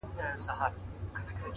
• شاعري سمه ده چي ته غواړې ـ